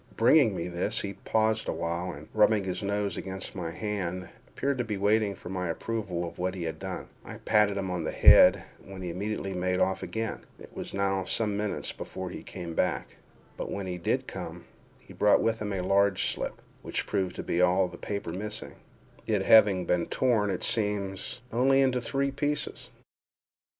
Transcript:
Bringing me this, he paused awhile, and, rubbing his nose against my hand, appeared to be waiting for my approval of what he had done. I patted him on the head, when he immediately made off again. It was now some minutes before he came back—but when he did come, he brought with him a large slip, which proved to be all the paper missing—it having been torn, it seems, only into three pieces.